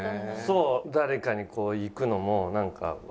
そう誰かにこういくのもなんか。